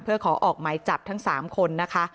เพื่อขอออกหมายจับทั้ง๓คนนะคะ